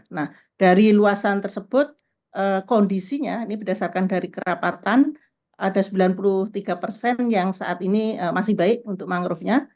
nah dari luasan tersebut kondisinya ini berdasarkan dari kerapatan ada sembilan puluh tiga persen yang saat ini masih baik untuk mangrovenya